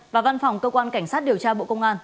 và văn phòng cơ quan cảnh sát điều tra bộ công an